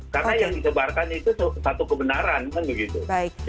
karena yang disebarkan itu satu kebenaran bukan begitu